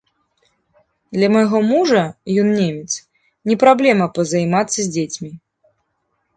Для майго мужа, ён немец, не праблема пазаймацца з дзецьмі.